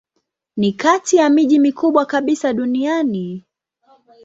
Ni kati ya miji mikubwa kabisa duniani.